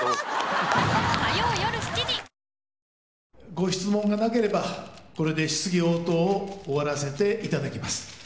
ご質問がなければこれで質疑応答を終わらせていただきます。